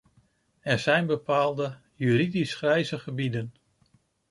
Er zijn bepaalde "juridisch grijze gebieden".